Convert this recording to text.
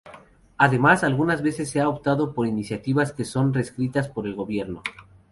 Además, algunas veces se ha optado por iniciativas que son reescritas por el gobierno.